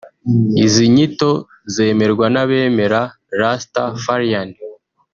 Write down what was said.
Izi nyito zemerwa n’abemera Rastafarian